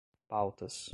pautas